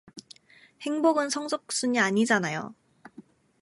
행복은 성적순이 아니잖아요